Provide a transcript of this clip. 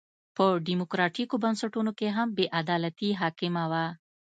په ډیموکراټیکو بنسټونو کې هم بې عدالتي حاکمه وه.